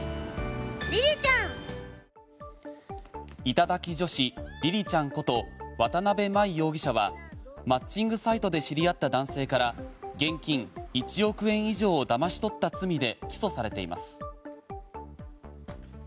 頂き女子りりちゃんこと渡邊真衣容疑者はマッチングサイトで知り合った男性から現金１億円以上をだまし取った罪で起訴されています。